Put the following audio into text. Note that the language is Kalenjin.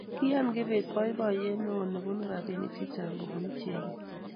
kiyaan kibet boiboyet neo nebo robinik chechang kobunu chebet